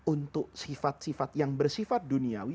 untuk sifat sifat yang bersifat duniawi